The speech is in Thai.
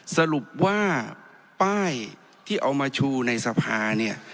สรุปว่าป้ายที่เอามาชูในสภาเนี่ย